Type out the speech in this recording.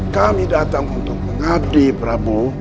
kami datang untuk mengabdi prabowo